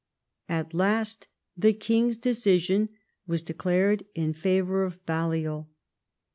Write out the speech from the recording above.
At last the king's decision was declared in favour of Balliol.